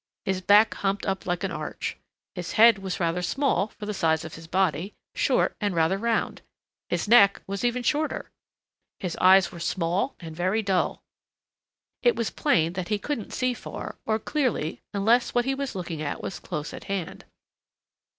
His back humped up like an arch. His head was rather small for the size of his body, short and rather round. His neck was even shorter. His eyes were small and very dull. It was plain that he couldn't see far, or clearly unless what he was looking at was close at hand.